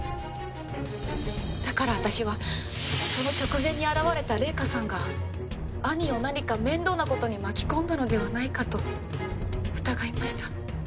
だから私はその直前に現れた礼香さんが兄を何か面倒な事に巻き込んだのではないかと疑いました。